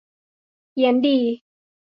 เพี้ยนดี